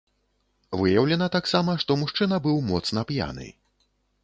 Выяўлена таксама, што мужчына быў моцна п'яны.